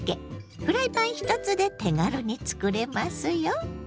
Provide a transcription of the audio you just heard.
フライパン１つで手軽につくれますよ。